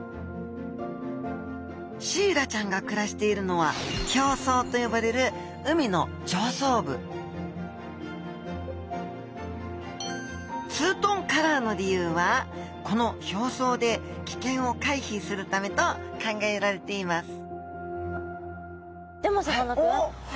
シイラちゃんが暮らしているのは表層と呼ばれる海の上層部ツートンカラーの理由はこの表層で危険を回避するためと考えられていますでもさかなクン。